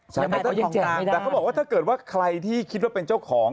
แต่เขาบอกว่าถ้าเกิดว่าใครที่คิดว่าเป็นเจ้าของ